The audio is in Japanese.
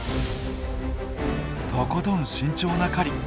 とことん慎重な狩り。